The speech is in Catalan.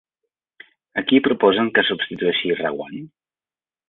A qui proposen que substitueixi Reguant?